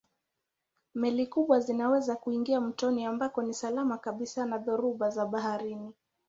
Meli kubwa zinaweza kuingia mtoni ambako ni salama kabisa na dhoruba za baharini.